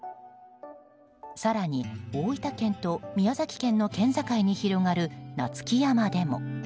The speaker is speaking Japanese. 更に、大分県と宮崎県の県境に広がる夏木山でも。